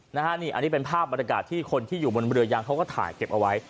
อันนี้เป็นภาพบรรยากาศที่คนที่อยู่บนเรือยางเขาก็ถ่ายเก็บเอาไว้